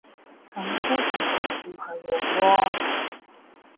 噉都係紅唔係黃喎